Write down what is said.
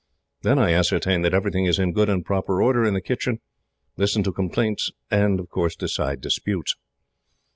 Then I ascertain that everything is in good and proper order in the kitchen, listen to complaints, and decide disputes.